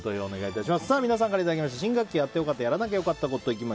皆さんからいただきました新学期やってよかった・やらなきゃよかったコト。